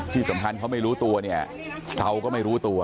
ที่สำคัญเขาไม่รู้ตัวเนี่ยเราก็ไม่รู้ตัว